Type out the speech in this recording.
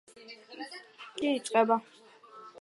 გაზაფხული ივნისში იწყება.